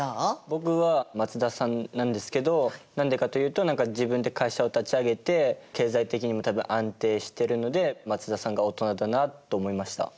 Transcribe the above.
僕は松田さんなんですけど何でかというと何か自分で会社を立ち上げて経済的にも多分安定してるので松田さんがオトナだなと思いました。